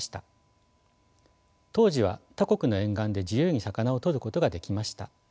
当時は他国の沿岸で自由に魚をとることができました。